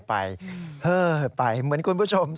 ฟังเสียงอาสามูลละนิทีสยามร่วมใจ